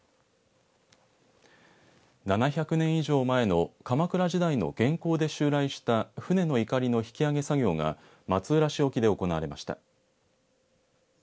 ７００年以上前の鎌倉時代の元寇で襲来した船のいかりの引き揚げ作業が松浦市沖で行われました。